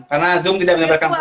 karena zoom tidak menyebabkan perang